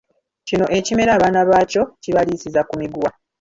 Kino ekimera abaana baakyo kibaliisiza ku miguwa.